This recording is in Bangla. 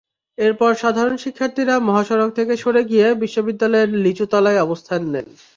এরপর সাধারণ শিক্ষার্থীরা মহাসড়ক থেকে সরে গিয়ে বিশ্ববিদ্যালয়ের লিচুতলায় অবস্থান নেন।